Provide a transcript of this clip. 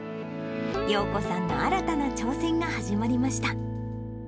ようこさんの新たな挑戦が始まりました。